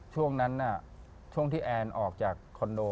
ช่วงนั้นช่วงที่แอนออกจากคอนโด